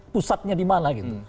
pusatnya di mana gitu